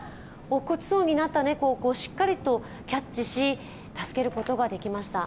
落っこちそうになった猫をしっかりとキャッチし助けることができました。